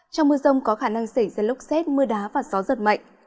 trong mưa rông có khả năng xảy ra lốc xét mưa đá và gió giật mạnh